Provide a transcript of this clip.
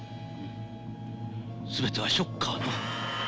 全てはショッカーの。